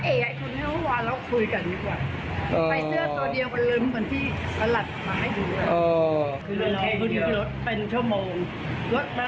แต่เอกไอ้คุณให้ว่าเราคุยกันดีกว่า